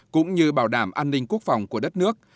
cũng như bảo đảm an ninh quốc phòng của đất nước